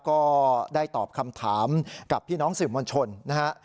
ก็ได้ตอบคำถามกับพี่น้องสื่อมวลชนนะฮะ